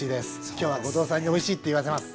今日は後藤さんにおいしいって言わせます。